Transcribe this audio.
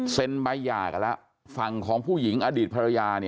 ใบหย่ากันแล้วฝั่งของผู้หญิงอดีตภรรยา